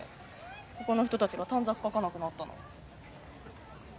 ここの人たちが短冊書かなくなったの。